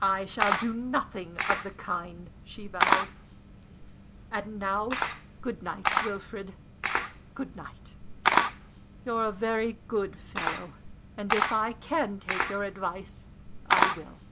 "I shall do nothing of the kind," she vowed. "And now good night, Wilfrid good night. You're a very good fellow, and if I can take your advice, I will."